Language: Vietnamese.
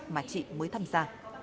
mà chị mới tham gia